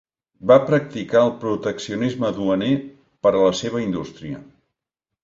Va practicar el proteccionisme duaner per a la seva indústria.